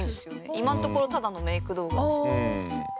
今のところただのメイク動画ですよ。